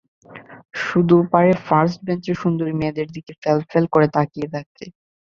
শুধু পারে ফার্স্ট বেঞ্চের সুন্দরী মেয়েদের দিকে ফ্যাল ফ্যাল করে তাকিয়ে থাকতে।